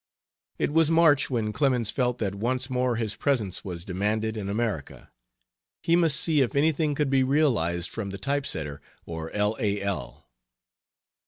It was March when Clemens felt that once more his presence was demanded in America. He must see if anything could be realized from the type setter or L. A. L.